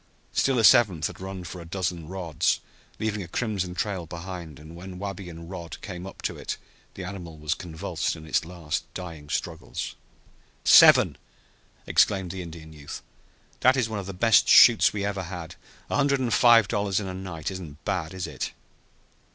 Still a seventh had run for a dozen rods, leaving a crimson trail behind, and when Wabi and Rod came up to it the animal was convulsed in its last dying struggles. "Seven!" exclaimed the Indian youth. "That is one of the best shoots we ever had. A hundred and five dollars in a night isn't bad, is it?"